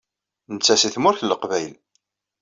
Netta seg Tmurt n Leqbayel.